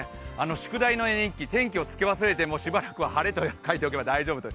宿題の絵日記、天気をつけ忘れてもしばらくは晴れと書いておけば大丈夫です。